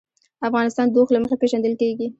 افغانستان د اوښ له مخې پېژندل کېږي.